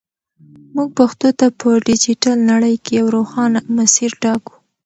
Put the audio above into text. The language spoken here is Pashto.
موږ پښتو ته په ډیجیټل نړۍ کې یو روښانه مسیر ټاکو.